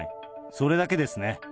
それだけですね。